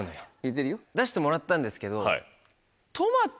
出してもらったんですけど。